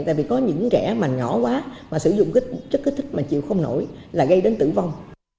tại vì có những trẻ mà nhỏ quá mà sử dụng cái chất kích thích mà chịu không nổi là gây đến tử vong